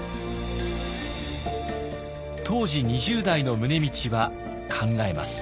当時２０代の宗理は考えます。